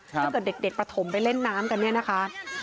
ถ้าเกิดเด็กประถมไปเล่นน้ำกันเนี่ยนะคะ